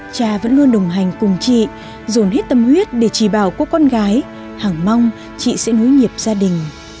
cha vẫn luôn đồng hành cùng chị dồn hết tâm huyết để chỉ bảo cô con gái hẳng mong chị sẽ nối nhịp gia đình